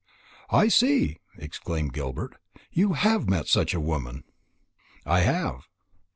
"I see," exclaimed Gilbert, "you have met with such a woman." "I have."